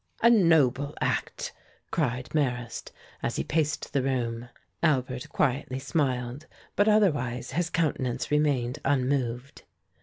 "A noble act!" cried Marrast, as he paced the room. Albert quietly smiled, but otherwise his countenance remained unmoved.